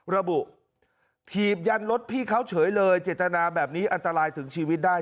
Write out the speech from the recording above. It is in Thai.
ระบุถีบยันรถพี่เขาเฉยเลยเจตนาแบบนี้อันตรายถึงชีวิตได้